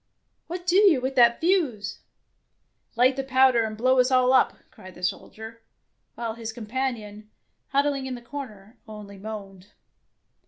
" What do you with that fuse ? "Light the powder and blow us all up," cried the soldier, while his com panion, huddling in the corner, only moaned.